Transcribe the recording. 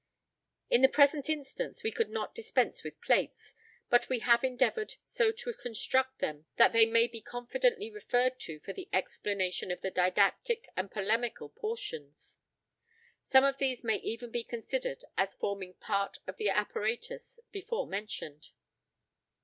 In the present instance we could not dispense with plates, but we have endeavoured so to construct them that they may be confidently referred to for the explanation of the didactic and polemical portions. Some of these may even be considered as forming part of the apparatus before mentioned.